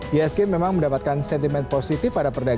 isg memang mendapatkan sentimen positif pada perdagangan